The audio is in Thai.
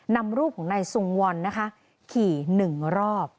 นำรูปของนายทรุงวนขี่หนึ่งรอบ